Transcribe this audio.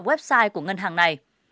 website của ngân hàng này